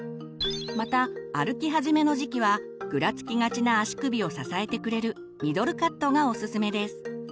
また歩き始めの時期はぐらつきがちな足首を支えてくれる「ミドルカット」がおすすめです。